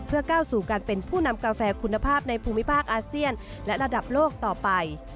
เพื่อก้าวสู่การเป็นผู้นำกาแฟคุณภาพในภูมิภาคอาเซียนและระดับโลกต่อไป